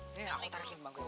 ini yang aku tarikin bang gowa